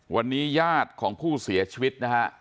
วันนี้ญาติของผู้เสียชีวิตนะฮะ